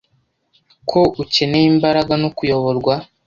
ko ukeneye imbaraga no kuyoborwa